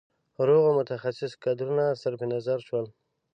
روغو متخصص کدرونه صرف نظر شول.